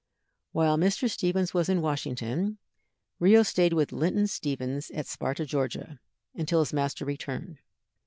While Mr. Stephens was in Washington, Rio staid with Linton Stephens, at Sparta, Georgia, until his master returned.